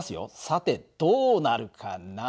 さてどうなるかな？